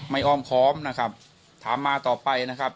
อ้อมค้อมนะครับถามมาต่อไปนะครับ